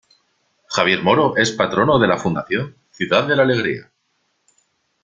Javier Moro es patrono de la Fundación "Ciudad de la Alegría".